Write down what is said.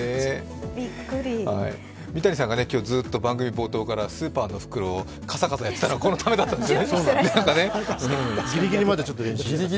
三谷さんがずっと番組冒頭からスーパーの袋をカサカサやっていたのは、このためなんです。